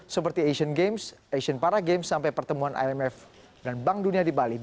seperti asian games asian para games sampai pertemuan imf dan bank dunia di bali